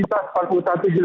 lapas kelas satu tangerang